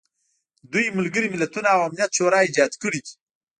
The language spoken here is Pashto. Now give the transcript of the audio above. دوی ملګري ملتونه او امنیت شورا ایجاد کړي دي.